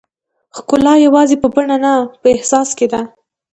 ښکلا یوازې په بڼه نه، په احساس کې ده.